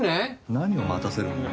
何を待たせるんだよ。